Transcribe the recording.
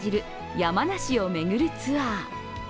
山梨を巡るツアー。